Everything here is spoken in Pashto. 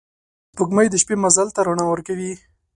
سپوږمۍ د شپې مزل ته رڼا ورکوي